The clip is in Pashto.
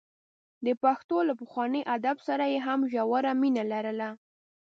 د پښتو له پخواني ادب سره یې هم ژوره مینه لرله.